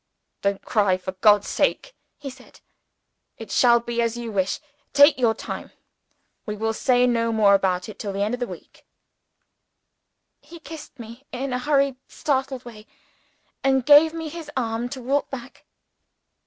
"Don't cry, for God's sake!" he said. "It shall be as you wish. Take your time. We will say no more about it till the end of the week." He kissed me in a hurried startled way, and gave me his arm to walk back.